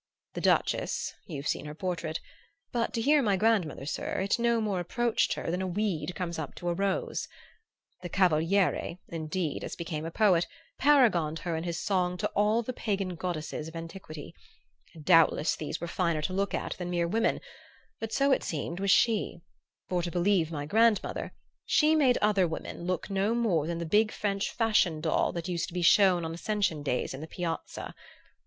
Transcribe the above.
The Duchess you've seen her portrait but to hear my grandmother, sir, it no more approached her than a weed comes up to a rose. The Cavaliere, indeed, as became a poet, paragoned her in his song to all the pagan goddesses of antiquity; and doubtless these were finer to look at than mere women; but so, it seemed, was she; for, to believe my grandmother, she made other women look no more than the big French fashion doll that used to be shown on Ascension days in the Piazza.